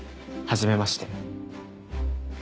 はじめまして。